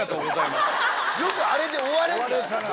よくあれで終われんな。